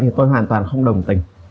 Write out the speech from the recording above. thì tôi hoàn toàn không đồng tình